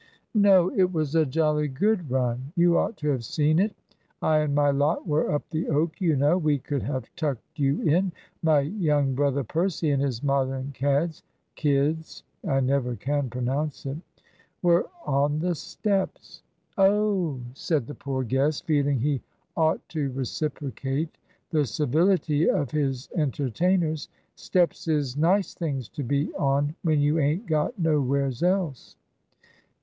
"No; it was a jolly good run. You ought to have seen it; I and my lot were up the oak, you know; we could have tucked you in. My young brother Percy and his Modern cads k i d s (I never can pronounce it) were on the steps." "Oh," said the poor guest, feeling he ought to reciprocate the civility of his entertainers. "Steps is nice things to be on when you ain't got nowheres else."